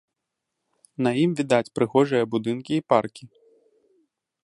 На ім відаць прыгожыя будынкі і паркі.